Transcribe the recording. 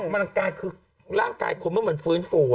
มันกลายคือร่างกายคุณมันเหมือนฟื้นฟู